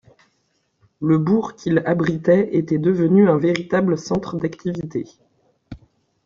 Le bourg qu'il abritait était devenu un véritable centre d’activité.